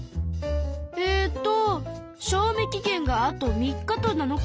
えと賞味期限があと３日と７日。